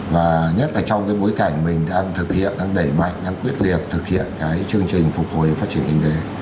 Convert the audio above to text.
và nhất là trong cái bối cảnh mình đang thực hiện đang đẩy mạnh đang quyết liệt thực hiện cái chương trình phục hồi phát triển kinh tế